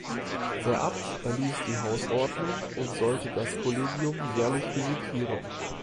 Der Abt erließ die Hausordnung und sollte das Kollegium jährlich visitieren.